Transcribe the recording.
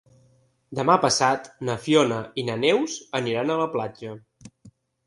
Demà passat na Fiona i na Neus aniran a la platja.